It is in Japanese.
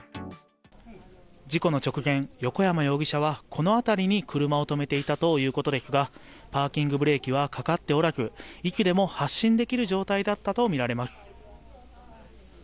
事故の直前、横山容疑者はこの辺りに車を止めていたということですが、パーキングブレーキはかかっておらず、いつでも発進できる状態だったと見られます。